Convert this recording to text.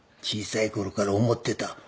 小さい頃から思ってた